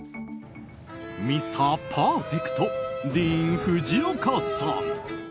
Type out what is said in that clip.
ミスターパーフェクトディーン・フジオカさん。